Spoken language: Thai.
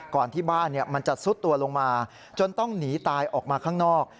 ก่อนที่บ้านมันจะซุดตัวลงมาจนต้องหนีตายออกมาข้างนอก